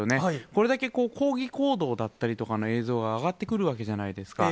これだけ抗議行動だったりとかの映像が上がってくるわけじゃないですか。